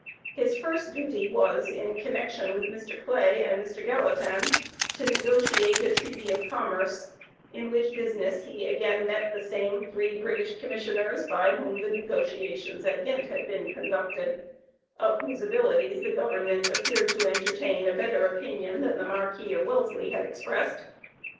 His first duty was, in connection with Mr. Clay and Mr. Gallatin, to negotiate a treaty of commerce, in which business he again met the same three British Commissioners by whom the negotiations at Ghent had been conducted, of whose abilities the government appeared to entertain a better opinion than the Marquis of Wellesley had expressed.